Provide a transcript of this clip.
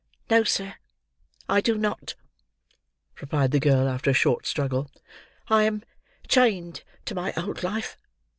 "No sir, I do not," replied the girl, after a short struggle. "I am chained to my old life.